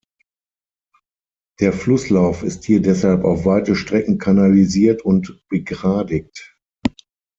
Der Flusslauf ist hier deshalb auf weite Strecken kanalisiert und begradigt.